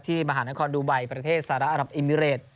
ที่มหานครดูไบประเทศสระอับอิมิเรต